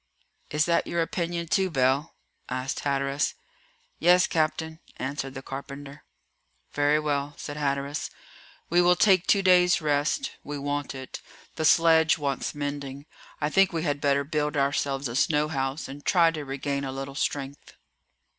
"Is that your opinion too, Bell?" asked Hatteras. "Yes, captain," answered the carpenter. "Very well," said Hatteras; "we will take two days' rest. We want it. The sledge wants mending. I think we had better build ourselves a snow house, and try to regain a little strength."